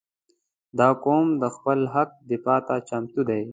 • دا قوم د خپل حق دفاع ته چمتو دی.